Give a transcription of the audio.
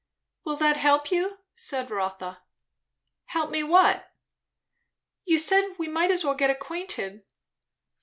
"Will that help you?" said Rotha. "Help me what?" "You said we might as well get acquainted."